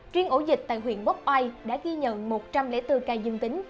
riêng ổ dịch tại huyện quốc oai đã ghi nhận một trăm linh bốn ca dương tính